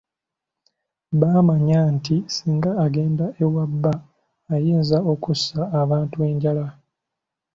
Bamanya nti singa agenda ewa bba ayinza okussa abantu enjala.